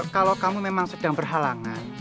kalau kamu memang sedang berhalangan